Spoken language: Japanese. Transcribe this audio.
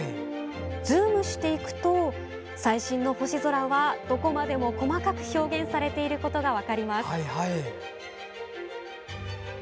ズームしていくと、最新の星空はどこまでも細かく表現されていることが分かります。